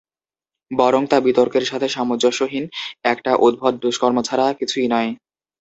বরং তা বিতর্কের সাথে সামঞ্জস্যহীন একটা উদ্ভট দুষ্কর্ম ছাড়া কিছুই নয়।